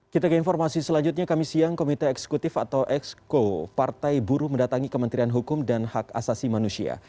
kita ke informasi selanjutnya kami siang komite eksekutif atau exko partai buruh mendatangi kementerian hukum dan hak asasi manusia